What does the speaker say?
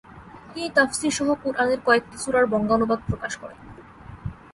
তিনি তফসিরসহ কুরআনের কয়েকটি সুরার বঙ্গানুবাদ প্রকাশ করেন।